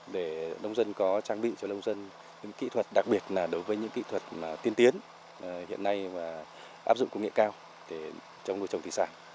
để nông dân có trang bị cho nông dân những kỹ thuật đặc biệt là đối với những kỹ thuật tiên tiến hiện nay và áp dụng công nghệ cao trong nuôi trồng thủy sản